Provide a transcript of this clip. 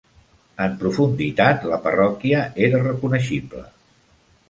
En profunditat, la parròquia era reconeixible.